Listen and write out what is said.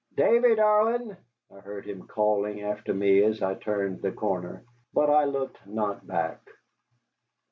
"Davy, darlin'!" I heard him calling after me as I turned the corner, but I looked not back.